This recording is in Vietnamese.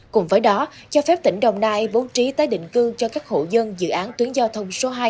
cùng với đó cho phép tỉnh đồng nai bố trí tái định cư cho các hộ dân dự án tuyến giao thông số hai